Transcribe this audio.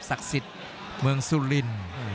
ศักดิ์สิทธิ์เมืองสุลิน